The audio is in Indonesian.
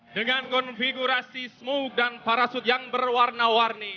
dengan konfigurasi smoke dan parasut yang berwarna warni